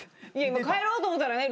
帰ろうと思ったらね